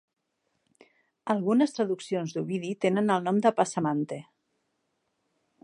Algunes traduccions d'Ovidi tenen el nom de Psamanthe.